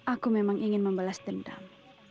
aku memang ingin membalas dendam